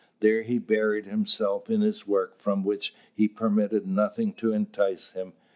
There he buried himself in his work from which he permitted nothing to entice him.